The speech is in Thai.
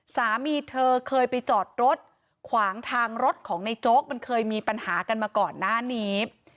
สามีเธอเคยไปจอดรถขวางทางรถของในโจ๊กมันเคยมีปัญหากันมาก่อนหน้านี้